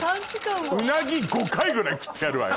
うなぎ５回ぐらい食ってやるわよ